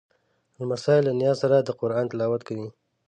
لمسی له نیا سره د قرآن تلاوت کوي.